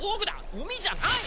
ゴミじゃない！